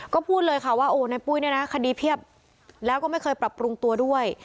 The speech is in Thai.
ก็พูดเลยค่ะว่าโอ้ในปุ้ยเนี่ยนะคดีเพียบแล้วก็ไม่เคยปรับปรุงตัวด้วย